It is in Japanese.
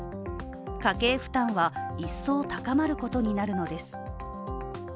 家計負担は一層高まることになるのです。